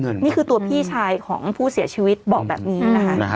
นี่คือตัวพี่ชายของผู้เสียชีวิตบอกแบบนี้นะคะ